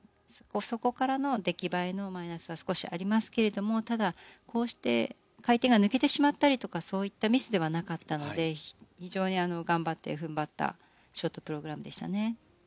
そこからの出来栄えのマイナスは少しありますけど回転が抜けてしまったりというミスではなかったので非常に頑張って踏ん張ったショートプログラムでしたね。